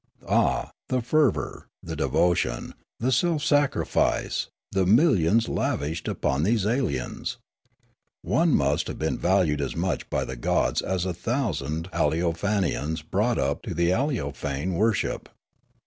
50 Riallaro Ah, the fervour, the devotion, the self sacrifice, the millions lavished upon these aliens ! One nuist have been valued as much by the gods as a thousand Aleo fanians brought up to the Aleofane worship.